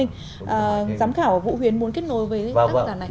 giám khảo vũ huyến muốn kết nối với tác giả này